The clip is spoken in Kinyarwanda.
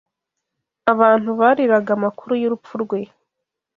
Abantu bariraga amakuru y'urupfu rwe